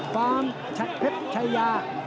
ฟาร์มเทปชัยา